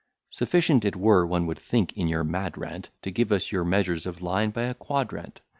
Sufficient it were, one would think, in your mad rant, To give us your measures of line by a quadrant.